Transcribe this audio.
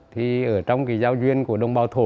thì ở trong cái giao duyên của đồng bào thổ